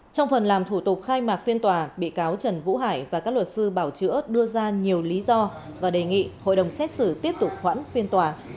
tại phiên tòa bị cáo trần vũ hải và các luật sư bảo chữa đưa ra nhiều lý do và đề nghị hội đồng xét xử tiếp tục hoãn phiên tòa